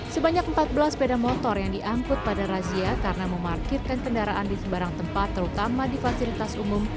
sebanyak empat belas sepeda motor yang diangkut pada razia karena memarkirkan kendaraan di sembarang tempat terutama di fasilitas umum